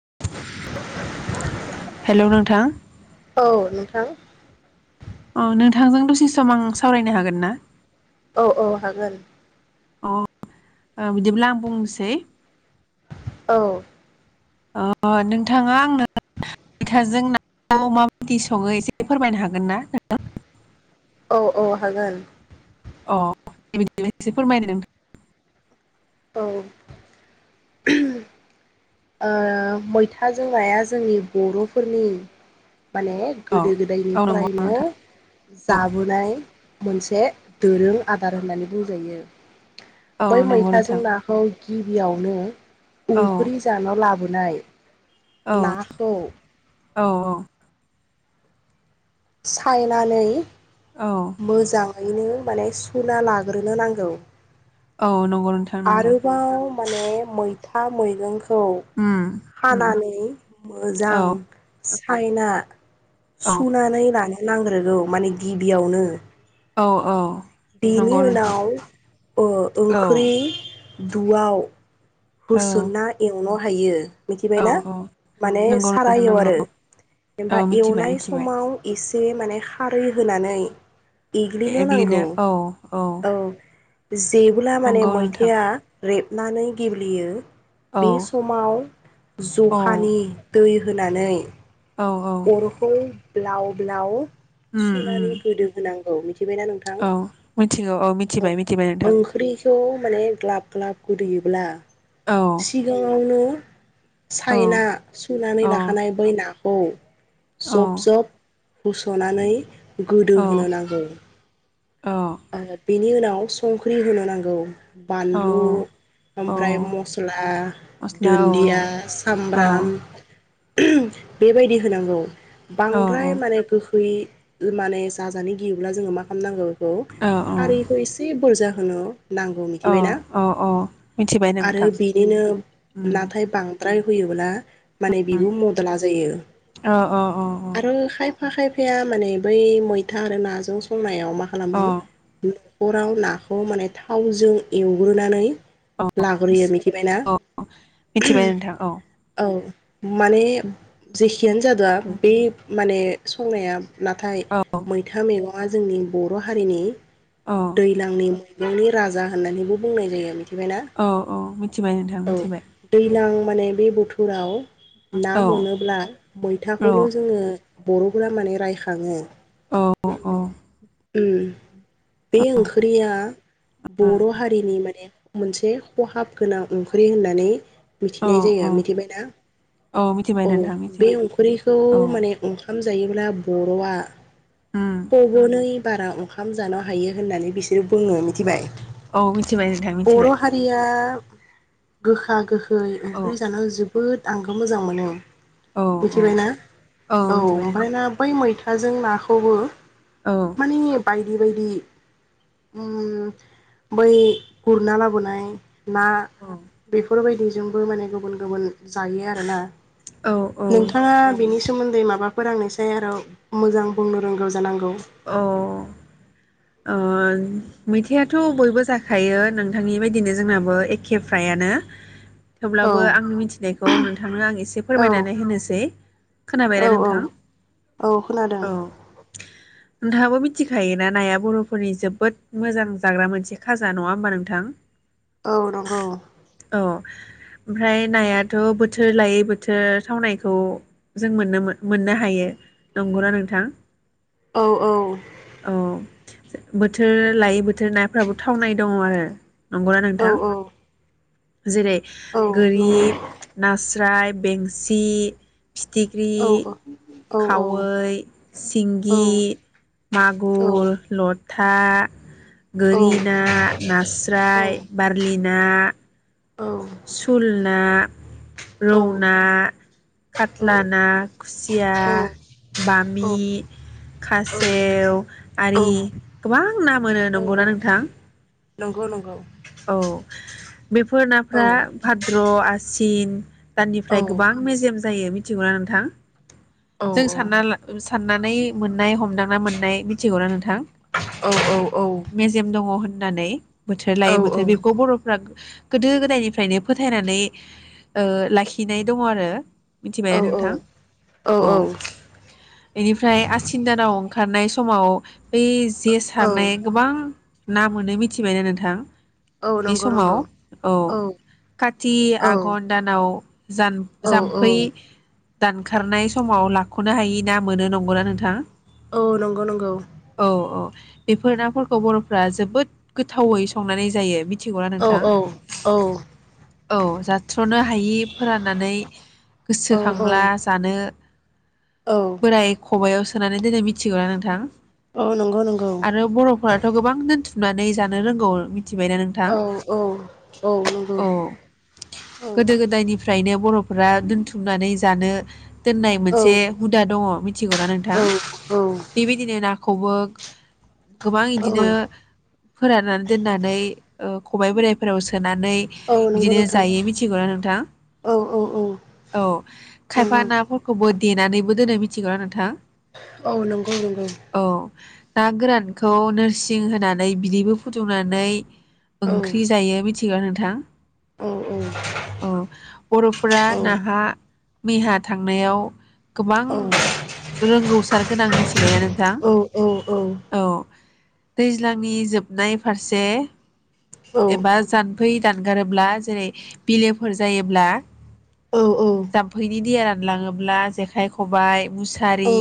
[inaudible] Hello नोंथां औ नोंथां अ नोंथांजों दसे सम आं सावरायनो हागोन ना। औ औ हागोन अ ओ बिदिब्ला आं बुंनोसै औ ओ नोंथाङा आंनो जों [inaudible] माबायदि सङो एसे फोरमायनो हागोन ना? औ औ हागोन अ दे बिदिब्ला एसे फोरमायदो नोंथां औ उम ओ मैथाजों नाया जोंनि बर'फोरनि माने औ गोदो नंगौ गोदायनिफ्रायनो नोंथां औ जाबोनाय मोनसे दोरों आदार होननानै बुंजायो। औ बै नंगौ नोंथां मैथाजों नाखौ गिबियावनो औ उंख्रि जानाव लाबो नाय नाखौ औ औ सायनानै औ मोजां नो माने सुना लाग्रोनो नांगौ औ न। आरोबाव माने मै था मैगंखो उम खौ उम हानानै औ मोजां सि। हायना औ सुनानै लानो नांग्रोगौ माने गिबियावनो औ औ बेनि नंगौ नोंथां उनाव औ ओ-ओंख्रि दुआव औ होसना एवन हायो औ मिथिबायनाा औ माने नंगौ सारा नोंथां एव नंगौ आरो औ ओमफ्राय मिथिबाय एवनाय मिथिबाय समाव एसे बे माने खारै होनानै एग्लिनो औ औ जेबोला माने नंगौ नोंथां मैथायआ रेबनानै गेबलेयो औ बे समाव औ जखानि दै होनानै औ औ अर खौ ब्लाव ब्लाव उम उम सुनानै गोदो होनाय औ मि‌ थिबायना नोंथां औ मिथिगौ औ मिथिबाय मिथिबाय नोंथां ओंख्रिखौ माने गलाब गलाब गुदैयोब्ला औ सिगांङावनो [inaudible] औ सायना सुनानै औ लाखानाय बै ना [unintelligible] जब औ जब होस'नानै गोदौ होनो नांगौ। औ ओ बिनि उनाव संख्रि होनो नांगौ औ बानलु औ ओमफ्राय मस्ला मस्ला औ दुन्दिया औ सामब्राम बेबायदि होनांगौ औ बांद्राय माने गो बै माने जाजानो गियोब्ला जोङो मा खालामनांगौ औ हारिखौ एसे बोरजा हेलौ नांगौ औ मिथिबायना औ औ मिथिबाय आरो नोंथां बेनिनो उम नाथाय बां द्राय फैयोबोला माने उम बिबो मदला जायो औ औ आरो खायफ खा खायफाया माने बै मैथा आरो नाजों संनायाव म औ खालानो अराव नाखौ माने थावजों एवग्रोनानै औ लाग्रोयो मिथिबायना मिथिबाय नोंथां औ [unintelligible] औ मानेफ खियानो जादोआ बेेै माने संनाया नाथाय औ मैथा मेगं [unintelligible] जोंनि बर' हारिनि औ दैलांनि [unintelligible] राजा होननानैबो बुंनाय जायो आरो मिथि औ औ मिथ थिबाय नोंथाङा मिथिबाय? दैज्लां माने बे बोथोराव ना औ मोनोब्ला औ मैथाखौल' जोङो बर'फोरा माने रायखाङो औ ओम बे ओंख्रिया बर' हारिनि माने मोनसे खहाब ओंख्रि होननानै औ मिथिनाय जायो औ मिथिबायना औ मिथिबाय औ नोंथां बे मिथिबाय ओंख्रिखौ औ माने अंखाम जायो ब्ला बर'आ उम पबनै बारा ओंखाम जान हायो होननानै बिसोर बुंङो मिथिबाय। औ मिथिबाय नोंथां बर' मिथिबाय हारिया गोखा गोखै। [unintelligible] ओंख्रि औ जानानै जोब जोबोद आंबो मोजां मोनो। औ मिथिबायना औ मिथिबाय ओमफ्राय नोंथां ना बै मै दा जों नाखौबो औ। बि बायदि उम बै गुरना लाबोनाय। ना बेफोर बायदिजोंबो माने गुबुन गुबुन जायो आरोना औ नोंथाङा बिनि सोमोन्दै माबाफोर आंनि सेराव आरो मोजां बुंनो रोंगौ जानांगौ। अ अ मैथाआथ' बयबो जाखायो नोंथांनि बायदिनो जोंनाबो एखेफ्रायानो। औ थेवब्लाबो आंनि मिथिनायखौ नोंथांनो आं एसे फोरमायनानै होनोसै। खोनाबाय औ दा नोंथां? औ औ खोनादों औ नोंथाङाबो मिथिखायोना नाया बर'फोरनि जोबोद मोजां जाग्रा मोनसे खाजा नङा होमबा नोंथां। औ नंगौ औ ओमफ्राय नायाथ' बोथोर लायै बोथोर थावनायखौ जों मोननो मोननो हायो नंगौना नोंथां। औ औ औ बोथोर लायै बोथोर नाफ्राबो थावनाय दङ आरो नंगौना औ नोंथां जेरै औ गोरि नंगौ ना स्राय, बेंसि, फिथिख्रि, औ औ औ औ खावै, औ औ सिंगि, औ मागुर ल ता गोरि ना, नास्राय बार्लि ना सुल ना रौ ना, खात्ला ना, खुसिया, औ औ औ बामि, खासेव आरि गोबां ना मोनो नंगौना नोंथां। नंगौ नंगौ। औ बेफोर औ नाफोरा भाद्र' आसि ईन औ दाननिफ्राय गोबां मेजेम जायो मिथिगौना नोंथां औ जों सानना ला सा फाननानै मोननाय हमदांना मोननाय मिथिगौ ना नोंथां। औ औ औ मेजेम दङ होननानै बोथोर औ लायो बोथोर बेखौ बर'फ्रा गोदो गोदायनिफ्रायनो फोथायनानै ओ लाखिनाय दङ आरो औ मिथिबायना नोंथां औ बेनिफ्राय आसिन दानाव ओंखार नाय समाव बै जे सारनाया गोबां ना मोनो मिथिबायना नोंथां बे नंगौ समाव नंगौ औ का ति औ आघन दानाव जाम औ जाम्फै दानखारनाय समाव लाख'नो हायि ना मोनो नंगौना नोंथाङा औ नंगौ नंगौ बेफोर नाफोरखौ बर'फ्रा जोबोद गोथावै संनानै जायो मिथिगौला औ नोंथां औ औ जाथ्र'नो हायि फोराननानै औ गोसोखांब्ला जानो औ बोराय खबायाव सोनानै दिनै मिथिगौना नोंथां औ नंगौ नंगौ आरो बर'फोराथ' गोबां दोनथि नुनानै जानो रोंगौ मिथिबायना नोंथां औ औ औ नंगौ औ औ गोदो गोदायनिफ्रायनो बर' फोरा दोनथुमनानै जानो दोन औ मोनसे हुदा दं मिथिगौना नोंथां औ बेबायदिनो ना खौबो गोबां औ इदिनो फोराननानै दोननानै ओ खबबाय बोराइफोराव सोनाय नै औ नंगौ बिदिनो नोंथां जायो मिथीगौना नोंथां औ औ औ औ खायफा नंगौ ना फ ब देनानैबो दोनै मिथिगौ नोंथां औ नंगौ नंगौ औ ना गोरानखौ नोरसिं होनानै बिदैबो फुदुंनानै औ ओंख्रि जायो बि थिगा नोंथां औ औ बर'फोरा औ नाहा मैहा थां नायाव गोबां औ औ रोंगौसार गोनां मिथिबायना नोंथां। औ औ दैज्लांनि जोबनाय फारसे एबा जान दै दानगारोब्ला जेरै बिलोफोर जायोब्ला जामफैनि दैया रान लाङोब्ला जेखाइ खबाइ मुसारि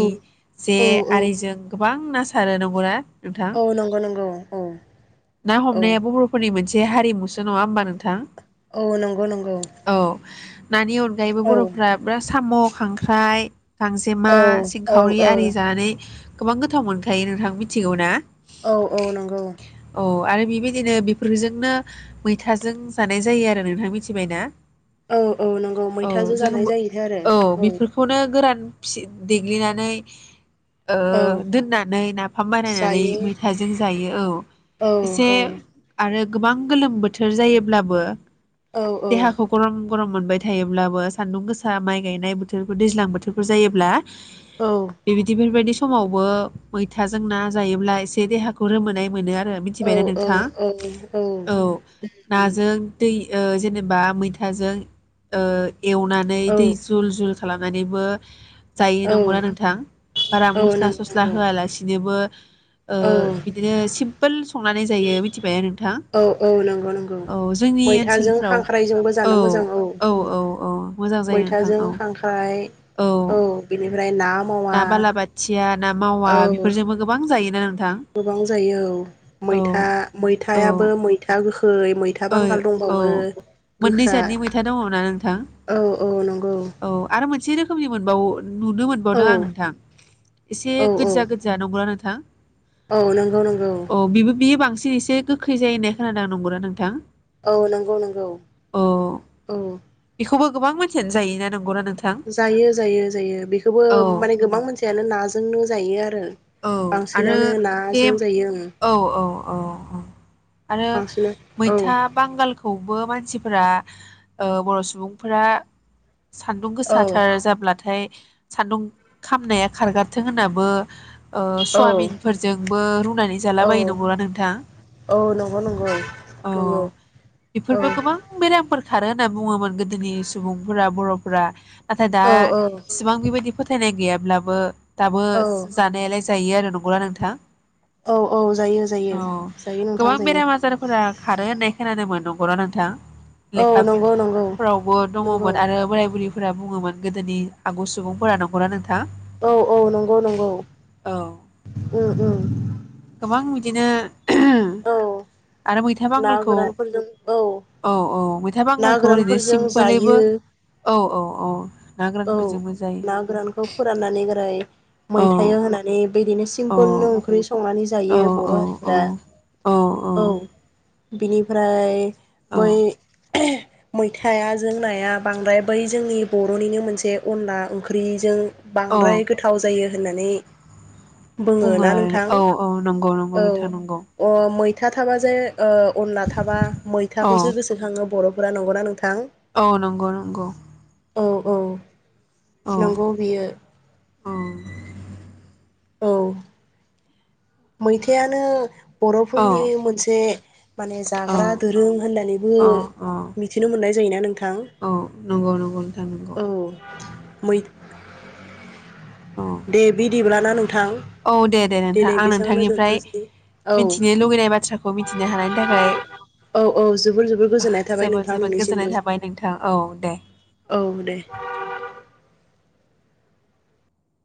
जे आरिजों बां ना सारो नंगौ ना? नोंथां नंगौ नंगौ औ ना हमनायाबो औ मोनसे हारिमुसो नङा होनोमबा नोंथां। औ नंगौ नंगौ औ नानि अनगायैबो औ औ बर'फोरा [inaudible] साम' खांख्राइ गांजेमा औ सिंखावरि आरि औ जानानै गोबां गोथाव मोनखायो नोंथां मिथिगौ ना? औ औ नंगौ। औ आरो बेबायदिनो बिफ फोरजोंनो मैथाजों जानाय जायो आरो नोंथां मिथिबाय ना। औ औ नंगौ मैथाजों जानाय जाहैथो आरो औ। बेफोरखौनो गोरान फि देग्लिनानै ओ औ दोननानै नाफाम बानायनानै जायो मैथाजों जायो औ औ एसे औ आरो गोबां गोलोम बोथोर जायोब्लाबो औ देहाखौ गरम गरम मोनबाय थायोब्लाबो सान्दुं गोसा माइ गायनाय बोथोरफोर दैज्लां बोथोरफोर जायोब्ला औ बेबायदि फोरबायदिसो समावबो मैथाजों ना जायोब्ला एसे देहाखौ रोमोनाय मोनो आ रो औ मिथिबायना नोंथां? औ नाजों दै ओ जेनेबा मैथाजों ओ एवनानै दै जुल जुल खालामनानैबो जायो औ नंगौना नोंथां बारा औ मस्ला नंगौ सस्ला नंगौ होआलासिनोबो ओ औ बिदिनो सिम फोल संनानै जायो मि मिथिबायानो औ औ नंगौ नंगौ मैथाजों ओनसोलफ्राव खांख्रायजोंबो जानो मोजां औ औ औ मोजां जायो नोंथां मैथाजों औ खांख्राय औ बिनि ना बालाबाथिया ना औ मावा बेफोरजोंबो गोबां जायोना नों गोबां औ जायो मैथा औ मैथायाबो मैथा गोख औ मोननै गोखा जादनि मैथा दङ ना नोंथां औ आरो मोनसे रोखोमनि मोनबावो नुनो औ मोनबावदों आं नोंथां एसे औ गोजा गोजा नंगौना नोंथां? थां औ नोंगौ नोंगौ बांसिन एसे गोखै जायो होननाय खोनादों नोंगौना नों थां? औ नोंगौ नोंगौ औ बेखौबो गोबां मानसियानो जायोना नों जायो जायो जायो बेखौबो औ माने गोबां मानसियानो नाजोंनो जायो आरो औ आरो बांसिनानो बे नाजों जायो आं औ औ औ आरो बांसिन औ सिफोरा बर' सुबुंफोरा सान्दुं औ गोसाथार जाब्लाथाय सान्दुं खामनाया खारगाराथों होननाबो ओ औ सवाबिनफोरजोंबो रुनानै जाला औ बायो नंगौना नोंथा औ नंगौ नंगौ अ नंगौ औ बेफोरबो गोबां बेरामफोर खारो होनना बुङोमोन गोदोनि सुबुंफोरा बर'फोरा नाथाय दा औ औ इसिबां बेबायदि फोथायनाय गैयाब्ला बो दाबो औ जानायालाय जायो आरो नंगौना नोंथां औ औ जायो जायो औ जायो नोंथां गोबां जायो बेराम आजारफोरा खारो होननाय खोनादोंमोन नंगौना नोंथां? लेखा औ बि नंगौ नंगौ फोरावबो नंगौ दङमोन आरो बोराय बुरि फोरा बुङोमोन गोदोनि आगु सुबुंफोरा नंगौना नों औ औ नंगौ नंगौ औ उम उम गोबां बिदिनो औ आरो मैथा ना बांगालखौ गोरानफोरजों औ औ मै मैथा ना बांगालखौ ओरैनो गोरानफोरजों सिम्पोलैबो जायो औ औ औ ना औ गोरानफोरजोंबो जायो ना गोरानखौ फोराननानै फ्राय औ मैथायाव होनानै बिदिनो औ सिमपोलनो ओंख्रि संनानै औ जायो बर' औ हारिफोरा औ बिनिफ्राय औ बै मैथाया जों नाया बांद्राय बै जोंनि बर'निनो मोन से अनला ओंख्रिजों औ बांद्राय गोथाव जायो। होननानै बुङो ना आरो नोंथां औ औ नंगौ नंगौ नोंथां नंगौ। था थाबा जे ओ अनला थाबा औ मैथाखौसो गोसोखाङो बर' फोरा नंगौना नोंथां? औ नंगौ नंगौ। औ औ औ नंगौ बियो औ मैथायानो बर'फोरनि मोनसे माने औ जाग्रा दोरों होननानैबो औ औ मिथिनो मोननाय जायोना नोंथां औ नंगौ नंगौ नोंथां नंगौ औ मै औ दे बिदिब्ला [unintelligible] औ दे दे नोंथां आं नोंथांनिफ्राय दोनथ'सै औ मिथिनो लुगैनाय बाथ्राखौ मिथिनो हानायनि थाखाय औ औ जोबोर जोबोर ओ गोजोननाय थाबाय जोबोद नोंथां जोबोद नोंनिसिमबो गोजोननाय थाबाय नोंथां औ दे। औ दे